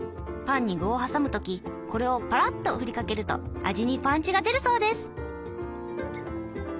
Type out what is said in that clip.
パンに具を挟む時これをパラッとふりかけると味にパンチが出るそうです。